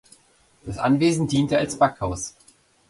Das Anwesen diente als Backhaus.